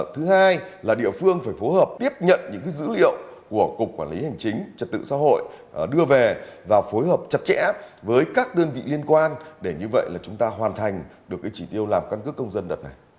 thứ hai là địa phương phải phối hợp tiếp nhận những dữ liệu của cục quản lý hành chính trật tự xã hội đưa về và phối hợp chặt chẽ với các đơn vị liên quan để như vậy là chúng ta hoàn thành được chỉ tiêu làm căn cước công dân đợt này